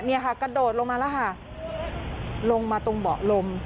เนี่ยค่ะกระโดดลงมาแล้วค่ะลงมาตรงเบาะลม